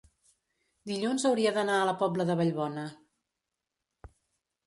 Dilluns hauria d'anar a la Pobla de Vallbona.